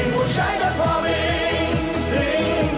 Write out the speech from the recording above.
mình muốn trải đất hòa bình tinh vương